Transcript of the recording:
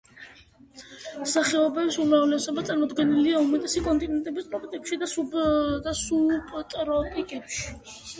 სახეობების უმრავლესობა წარმოდგენილია უმეტესი კონტინენტების ტროპიკებში და სუბტროპიკებში.